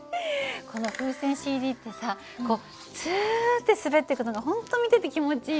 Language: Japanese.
この風船ＣＤってさこうツッて滑っていくのが本当見てて気持ちいいよね。